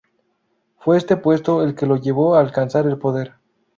Fue este puesto el que lo llevó a alcanzar el poder.